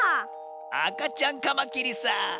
あかちゃんカマキリさ。